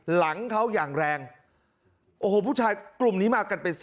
หลังเขาอย่างแรงโอ้โหผู้ชายกลุ่มนี้มากันเป็น๑๐